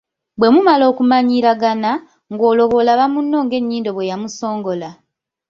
Bwe mumala okumanyiiragana, ng'olwo bw'olaba munno ng'ennyindo bwe yamusongola.